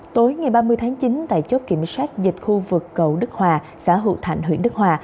tối ngày ba mươi tháng chín tại chốt kiểm soát dịch khu vực cầu đức hòa xã hữu thạnh huyện đức hòa